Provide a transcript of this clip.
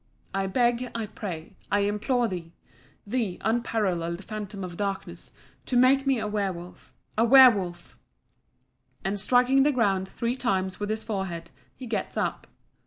I beg, I pray, I implore thee thee, unparalleled Phantom of Darkness, to make me a werwolf a werwolf!" and striking the ground three times with his forehead, he gets up.